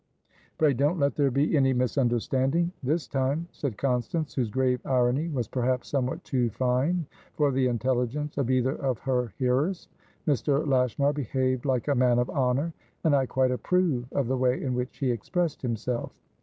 "Pray don't let there be any misunderstandingthis time," said Constance, whose grave irony was perhaps somewhat too fine for the intelligence of either of her hearers. "Mr. Lashmar behaved like a man of honour, and I quite approve of the way in which he expressed himself.